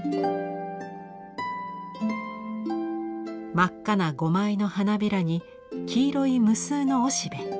真っ赤な５枚の花びらに黄色い無数のおしべ。